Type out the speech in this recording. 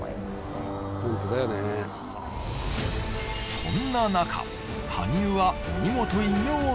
そんな中羽生は